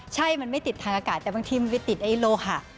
ใช่มันไม่ติดทางอากาศแต่บางทีมันไปติดไอ้โลหะ